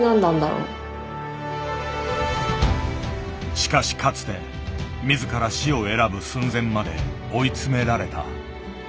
しかしかつて自ら死を選ぶ寸前まで追い詰められた。